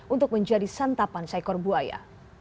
untuk menjadi santapan seekor buaya